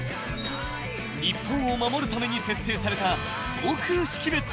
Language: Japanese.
［日本を守るために設定された］